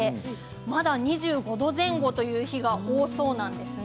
まだ２５度前後という日が多いそうなんです。